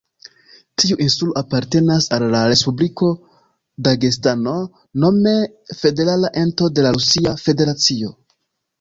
Tiu insulo apartenas al la Respubliko Dagestano, nome federala ento de la Rusia Federacio.